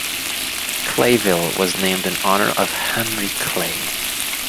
Clayville was named in honor of Henry Clay.